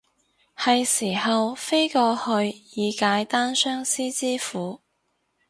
係時候飛過去以解單相思之苦